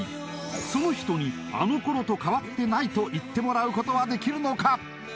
その人に「あの頃と変わってない」と言ってもらうことはできるのか？